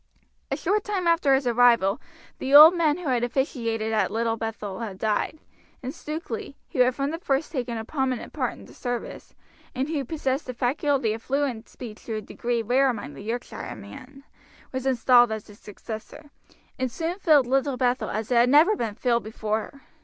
A short time after his arrival the old man who had officiated at Little Bethel had died, and Stukeley, who had from the first taken a prominent part in the service, and who possessed the faculty of fluent speech to a degree rare among the Yorkshiremen, was installed as his successor, and soon filled Little Bethel as it had never been filled before.